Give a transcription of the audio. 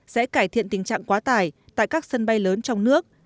sẽ cải thiện tình trạng quá tải tại các sân bay lớn trong nước